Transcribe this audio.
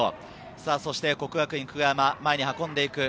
國學院久我山、前に運んでいく。